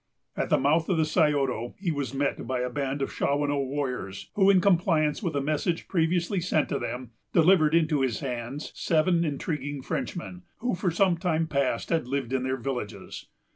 At the mouth of the Scioto, he was met by a band of Shawanoe warriors, who, in compliance with a message previously sent to them, delivered into his hands seven intriguing Frenchmen, who for some time past had lived in their villages.